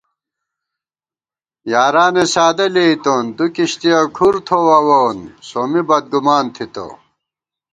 یارانےسادہ لېئیتون، دُو کِشتِیہ کھُر تھووَوون سومی بدگُمان تھِتہ